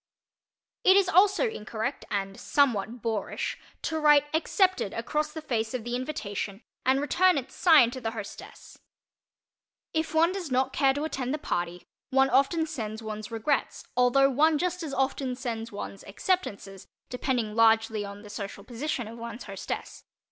It is also incorrect and somewhat boorish to write "accepted" across the face of the invitation and return it signed to the hostess. If one does not care to attend the party, one often sends one's "regrets" although one just as often sends one's "acceptances," depending largely upon the social position of one's hostess.